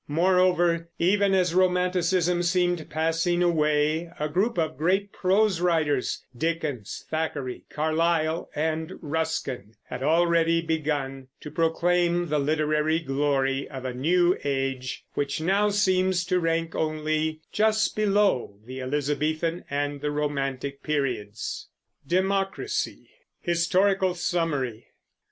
Moreover, even as romanticism seemed passing away, a group of great prose writers Dickens, Thackeray, Carlyle, and Ruskin had already begun to proclaim the literary glory of a new age, which now seems to rank only just below the Elizabethan and the Romantic periods. HISTORICAL SUMMARY.